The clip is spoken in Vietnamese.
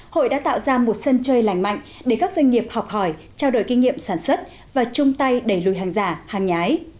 hội đã tạo ra một sân chơi lành mạnh để các doanh nghiệp học hỏi trao đổi kinh nghiệm sản xuất và chung tay đẩy lùi hàng giả hàng nhái